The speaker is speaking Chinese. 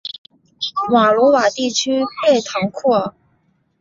瓦卢瓦地区贝唐库尔。